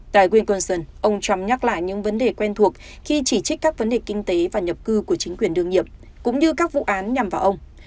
tại quyên côn sơn ông trump nhắc lại những vấn đề quen thuộc khi chỉ trích các vấn đề kinh tế và nhập cư của chính quyền đương nhiệm cũng như các vụ án nhằm vào ông